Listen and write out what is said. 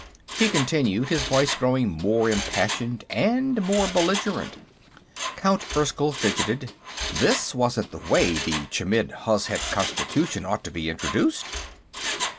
He continued, his voice growing more impassioned and more belligerent. Count Erskyll fidgeted. This wasn't the way the Chmidd Hozhet Constitution ought to be introduced.